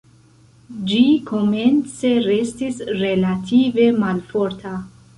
Ĝi komence restis relative malforta.